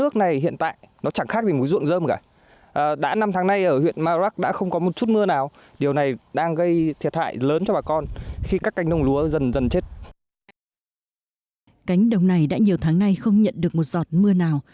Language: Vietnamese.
cánh đồng này đã nhiều tháng nay không nhận được một giọt mưa nào